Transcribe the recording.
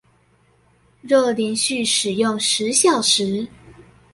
若連續使用十小時